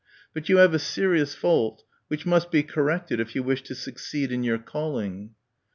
But you have a serious fault which must be corrected if you wish to succeed in your calling."